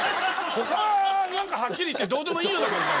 他なんかはっきり言ってどうでもいいような事だよな。